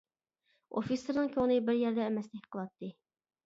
ئوفىتسېرنىڭ كۆڭلى بىر يەردە ئەمەستەك قىلاتتى.